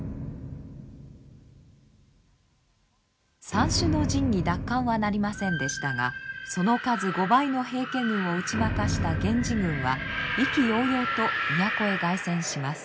三種の神器奪還はなりませんでしたがその数５倍の平家軍を打ち負かした源氏軍は意気揚々と都へ凱旋します。